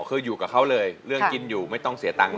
คืออยู่กับเขาเลยเรื่องกินอยู่ไม่ต้องเสียตังค์